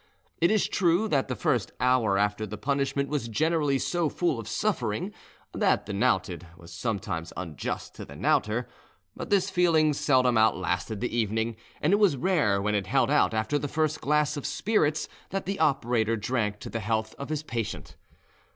It is true that the first hour after the punishment was generally so full of suffering that the knouted was sometimes unjust to the knouter, but this feeling seldom out lasted the evening, and it was rare when it held out after the first glass of spirits that the operator drank to the health of his patient.